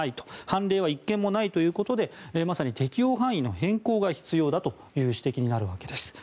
判例は１件もないということでまさに適用範囲の変更が必要だという指摘になるわけです。